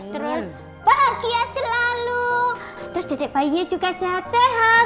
terus bahagia selalu terus dedek bayinya juga sehat sehat